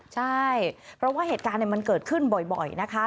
ใช่เพราะว่าเหตุการณ์มันเกิดขึ้นบ่อยนะคะ